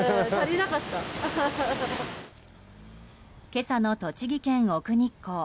今朝の栃木県奥日光。